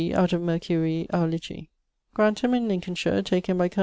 out of Mercurii Aulici Grantham, in Lincolnshire, taken by col.